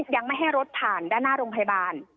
ยังไม่ให้รถผ่านด้านหน้าโรงพยาบาล